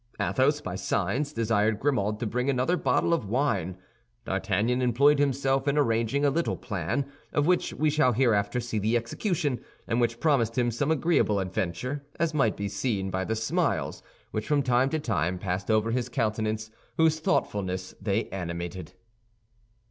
Athos, by signs, desired Grimaud to bring another bottle of wine. D'Artagnan employed himself in arranging a little plan, of which we shall hereafter see the execution, and which promised him some agreeable adventure, as might be seen by the smiles which from time to time passed over his countenance, whose thoughtfulness they animated.